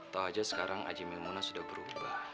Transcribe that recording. tau aja sekarang haji maimunah sudah berubah